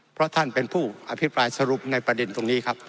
เพราะท่านเป็นผู้อภิปรายสรุปในประเด็นตรงนี้ครับ